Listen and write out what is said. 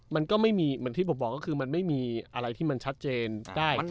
มันก็ไม่มีเหมือนที่ผมบอกก็คือมันไม่มีอะไรที่มันชัดเจนได้